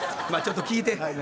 まあちょっと聞いて。